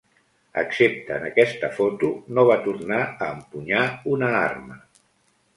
Excepte en aquesta foto, no va tornar a empunyar una arma.